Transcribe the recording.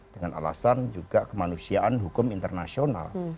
dengan alasan juga kemanusiaan hukum internasional